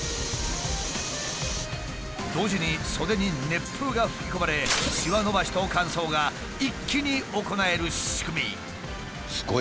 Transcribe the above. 同時に袖に熱風が吹き込まれしわ伸ばしと乾燥が一気に行える仕組み。